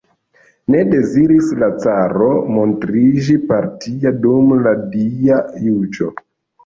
Ne deziris la caro montriĝi partia dum la Dia juĝo.